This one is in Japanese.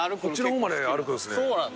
こっちの方まで歩くんすね。